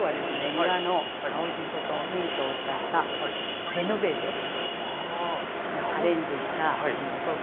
庭の青じそとミントを使ったジェノベーゼをアレンジしたおソースなんですけど。